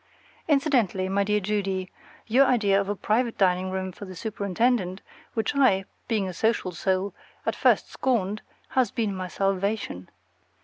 Incidentally, my dear Judy, your idea of a private dining room for the superintendent, which I, being a social soul, at first scorned, has been my salvation.